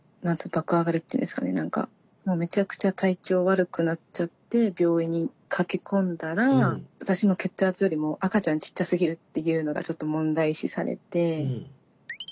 何かもうめちゃくちゃ体調悪くなっちゃって病院に駆け込んだら私の血圧よりも赤ちゃんちっちゃすぎるっていうのがちょっと問題視されて大学病院の方に搬送されて